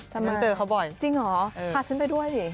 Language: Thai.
แต่มันเจอเขาบ่อยจริงเหรอพาฉันไปด้วยสิ